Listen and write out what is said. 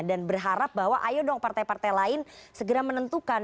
dan berharap bahwa ayo dong partai partai lain segera menentukan